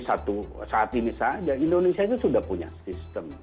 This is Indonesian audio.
saat ini saja indonesia itu sudah punya sistem